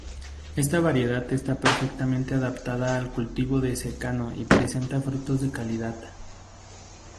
Esta variedad está perfectamente adaptada al cultivo de secano y presenta frutos de calidad.